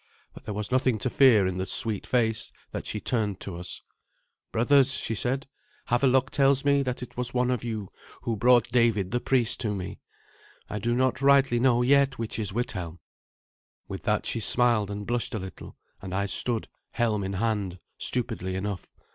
But there was nothing to fear in the sweet face that she turned to us. "Brothers," she said, "Havelok tells me that it was one of you who brought David the priest to me. I do not rightly know yet which is Withelm." With that she smiled and blushed a little, and I stood, helm in hand, stupidly enough.